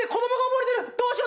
どうしよう。